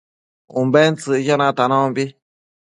Umbentsëcquio natanombi